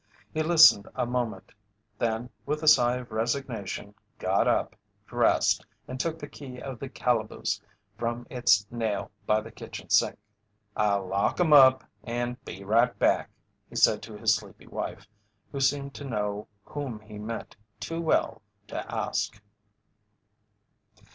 He listened a moment, then with a sigh of resignation got up, dressed, and took the key of the calaboose from its nail by the kitchen sink. "I'll lock 'em up and be right back," he said to his sleepy wife, who seemed to know whom he meant too well to ask.